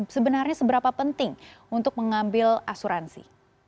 sebenarnya seberapa penting untuk mengambil asuransi